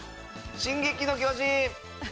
『進撃の巨人』。